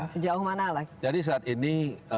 sejauh mana jadi saat ini